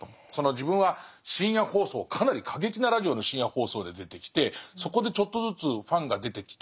自分は深夜放送かなり過激なラジオの深夜放送で出てきてそこでちょっとずつファンが出てきた。